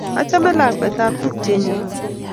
Achame lakwet ap tupchennyo